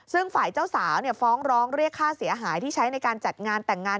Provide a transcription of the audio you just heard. ซึ่งฝ่ายเจ้าสาวฟ้องร้องเรียกค่าเสียหายที่ใช้ในการจัดงานแต่งงาน